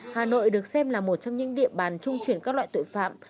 hà nội được xem là một trong những địa bàn trung chuyển các loại tội phạm